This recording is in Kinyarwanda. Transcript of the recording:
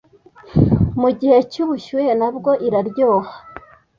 mu gihe cy’ubushyuhe nabwo iraryoha